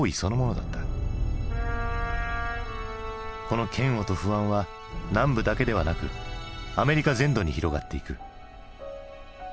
この嫌悪と不安は南部だけではなくアメリカ全土に広がっていく。